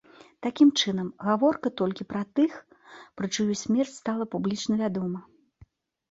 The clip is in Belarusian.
Такім чынам, гаворка толькі пра тых, пра чыю смерць стала публічна вядома.